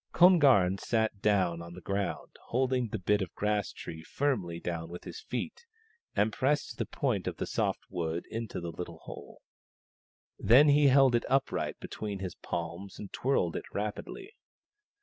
Kon garn sat down on the ground, holding the bit of grass tree firmly down with his feet, and pressed the point of the soft wood into the little hole. Then he held it upright between his palms and twirled it rapidly.